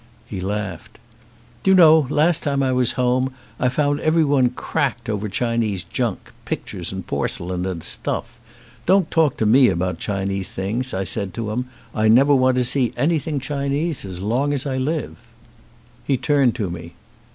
He laughed. "Do you know, last time I was home I found everyone cracked over Chinese junk, pictures and porcelain, and stuff. Don't talk to me about Chinese things, I said to 'em. I never want to see anything Chinese as long as I live." 212 ONE OF THE BEST He turned to me.